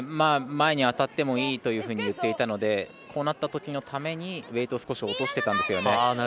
前に当たってもいいというふうに言っていたのでこうなったときのためにウエイトを少しおとしてたんです。